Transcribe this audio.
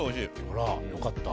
あらよかった。